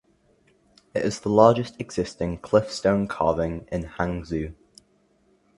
It is the largest existing cliff stone carving in Hangzhou.